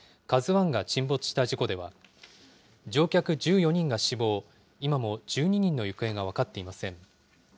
ＫＡＺＵＩが沈没した事故では、乗客１４人が死亡、今も１２人の行方が分かっていません。